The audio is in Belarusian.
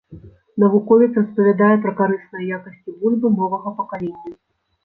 Навуковец распавядае пра карысныя якасці бульбы новага пакалення.